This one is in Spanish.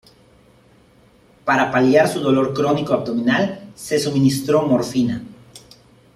Para paliar su dolor crónico abdominal, se suministró morfina.